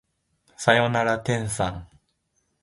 さよなら天さん